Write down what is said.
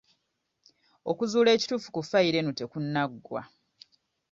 Okuzuula ekituufu ku ffayiro eno tekunnaggwa.